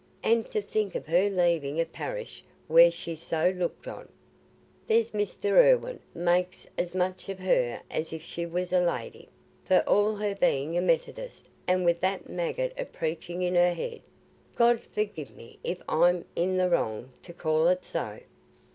An' to think of her leaving a parish where she's so looked on. There's Mr. Irwine makes as much of her as if she was a lady, for all her being a Methodist, an' wi' that maggot o' preaching in her head—God forgi'e me if I'm i' the wrong to call it so."